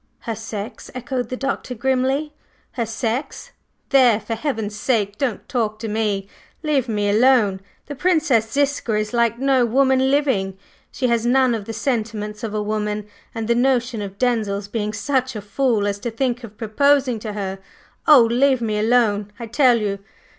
"Her sex!" echoed the Doctor grimly. "Her sex! There! for heaven's sake don't talk to me! leave me alone! The Princess Ziska is like no woman living; she has none of the sentiments of a woman, and the notion of Denzil's being such a fool as to think of proposing to her Oh, leave me alone, I tell you!